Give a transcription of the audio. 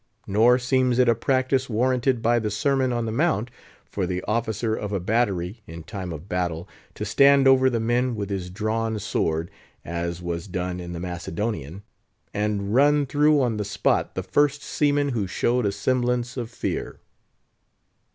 Nor seems it a practice warranted by the Sermon on the Mount, for the officer of a battery, in time of battle, to stand over the men with his drawn sword (as was done in the Macedonian), and run through on the spot the first seaman who showed a semblance of fear.